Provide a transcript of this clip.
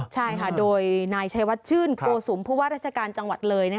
ใช่ค่ะโดยนายชัยวัดชื่นโกสุมผู้ว่าราชการจังหวัดเลย